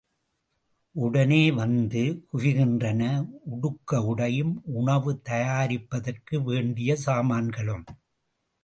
உடனே வந்து, குவிகின்றன உடுக்க உடையும், உணவு தயாரிப்பதற்கு வேண்டிய சாமான்களும்.